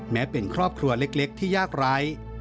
แม้เป็นครอบครัวเล็กที่ยากไร้